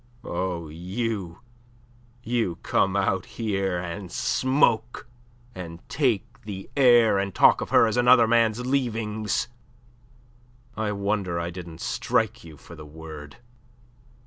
Oh, you, you come out here and smoke, and take the air, and talk of her as another man's leavings. I wonder I didn't strike you for the word."